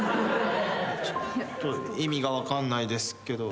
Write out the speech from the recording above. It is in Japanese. ちょっと意味が分かんないですけど。